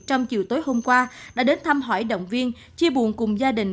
trong chiều tối hôm qua đã đến thăm hỏi động viên chia buồn cùng gia đình